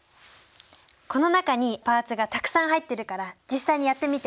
この中にパーツがたくさん入ってるから実際にやってみて。